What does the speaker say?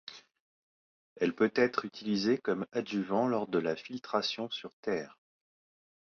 Elle peut être utilisée comme adjuvant lors de la filtration sur terre.